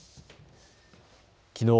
きのう